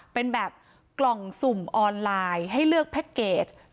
เป็นแบบกล่องสุ่มออนไลน์ให้เลือกแพ็คเกจ